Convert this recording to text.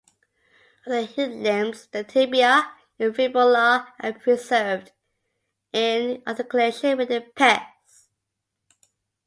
Of the hindlimbs the tibia and fibula are preserved in articulation with the pes.